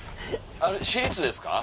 私立ですか？